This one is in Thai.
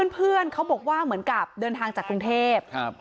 เพื่อนเขาบอกว่าเหมือนกับเดินทางจากกรุงเทพ